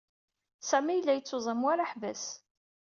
Sami yella yettuẓam war aḥbas.